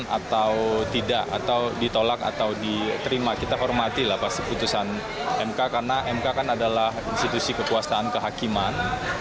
atau tidak atau ditolak atau diterima kita hormati lah pasti putusan mk karena mk kan adalah institusi kepuasan kehakiman